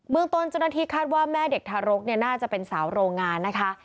เมืองต้นเจ้าหน้าที่คาดว่าแม่เด็กทารกน่าจะเป็นสาวโรงงานนะคะ